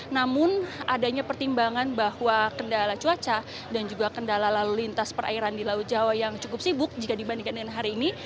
namun adanya pertimbangan bahwa kendala cuaca dan juga kendala lalu lintas perairan di laut jawa yang cukup sibuk jika dibandingkan dengan hari ini